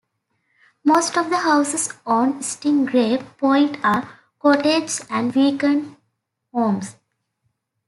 Most of the houses on Stingray Point are cottages and weekend homes.